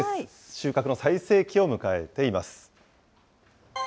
収穫の最盛期を迎えています。